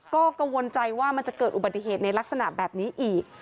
ก็กังวลใจว่ามันจะเกิดอุบัติเหตุในลักษณะแบบนี้อีก